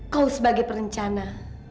kau sebagai perencana